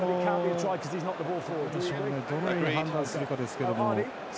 どのように判断するかですけど。